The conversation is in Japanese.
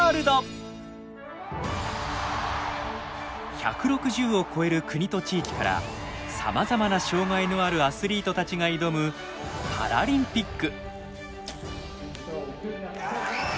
１６０を超える国と地域からさまざまな障害のあるアスリートたちが挑むパラリンピック。